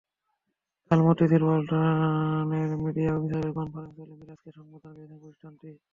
কাল মতিঝিলে ওয়ালটনের মিডিয়া অফিসের কনফারেন্স হলে মিরাজকে সংবর্ধনা দিয়েছে প্রতিষ্ঠানটি।